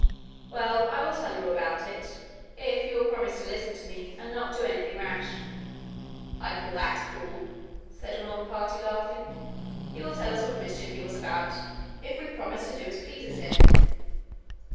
'Well, I will tell you all about it if you will promise to listen to me and not do anything rash.' 'I call that cool!' said one of the party, laughing. 'He will tell us what mischief he was about, if we promise to do as pleases him.'